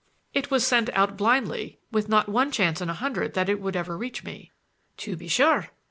"It was sent out blindly, with not one chance in a hundred that it would ever reach me." "To be sure.